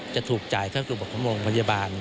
จะถูกจ่ายเข้าสู่บทของโรงพยาบาล